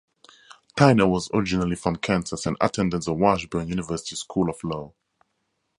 Tyner was originally from Kansas and attended the Washburn University School of Law.